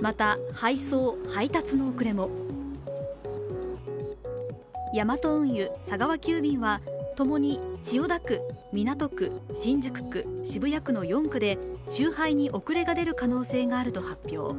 また、配送・配達の遅れもヤマト運輸、佐川急便はともに千代田区、港区、新宿区、渋谷区の４区で集配に遅れが出る可能性があると発表。